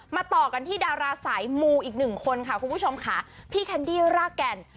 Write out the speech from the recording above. ต่อกันที่ดาราสายมูอีกหนึ่งคนค่ะคุณผู้ชมค่ะพี่แคนดี้รากแก่น